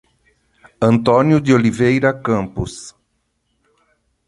Antônio de Oliveira Campos